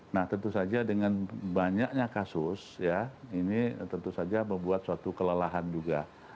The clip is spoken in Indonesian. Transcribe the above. nah tentu saja dengan banyaknya kasus ya ini tentu saja membuat suatu kelelahan juga